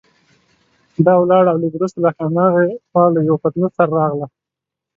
دا ولاړه او لږ وروسته له هماغې خوا له یوه پتنوس سره راغله.